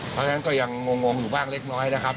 เพราะฉะนั้นก็ยังงงอยู่บ้างเล็กน้อยนะครับ